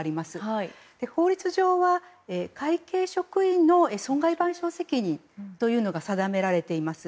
法律上は、会計職員の損害賠償責任というのが定められています。